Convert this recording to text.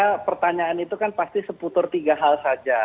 karena pertanyaan itu kan pasti seputar tiga hal saja